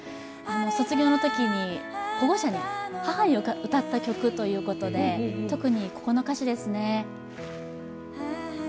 卒業のときに保護者に、母に歌った曲ということで特にここの歌詞ですね。